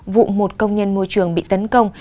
vụ một công nhân môi trường bị tấn công